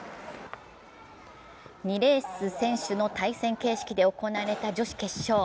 ２レース先取の対戦形式で行われた女子決勝。